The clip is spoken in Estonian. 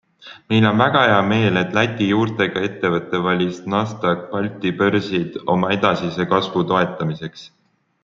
Meil on väga hea meel, et Läti juurtega ettevõte valis Nasdaq Balti börsid oma edasise kasvu toetamiseks.